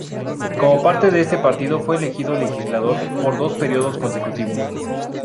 Como parte de este partido fue elegido legislador por dos períodos consecutivos.